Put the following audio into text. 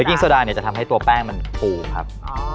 กิ้งโซดาเนี่ยจะทำให้ตัวแป้งมันฟูครับ